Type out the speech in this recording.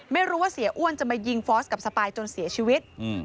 ไม่รู้ว่าเสียอ้วนจะมายิงฟอสกับสปายจนเสียชีวิต